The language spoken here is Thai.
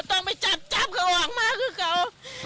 ต้องไปจับจับก็ออกมาคือเขา